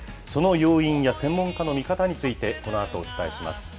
その要因や専門家の見方について、このあとお伝えします。